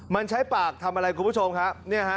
มันใช้ปากทำอะไรคุณผู้ชมครับ